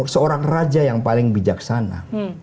seorang raja yang paling bijaksana